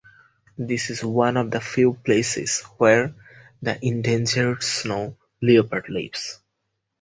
This is one of the few places where the endangered snow leopard lives.